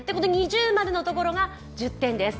◎のところが１０点です。